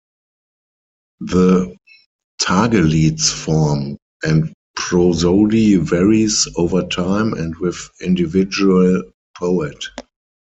The tagelied's form and prosody varies over time and with individual poet.